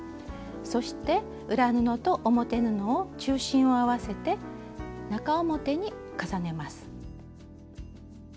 そして裏布と表布を中心を合わせて中表に重ねます。